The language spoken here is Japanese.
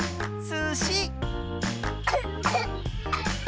すし！